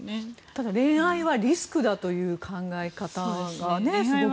ただ恋愛はリスクだという考え方がすごくあるという。